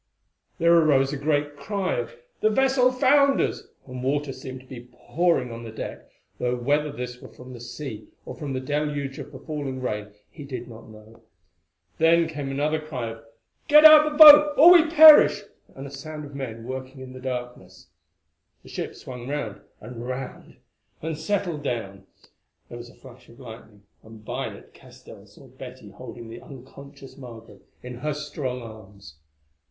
There arose a great cry of "The vessel founders!" and water seemed to be pouring on the deck, though whether this were from the sea or from the deluge of the falling rain he did not know. Then came another cry of "Get out the boat, or we perish!" and a sound of men working in the darkness. The ship swung round and round and settled down. There was a flash of lightning, and by it Castell saw Betty holding the unconscious Margaret in her strong arms.